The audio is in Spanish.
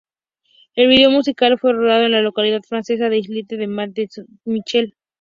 El vídeo musical fue rodado en la localidad francesa del islote de Monte Saint-Michel.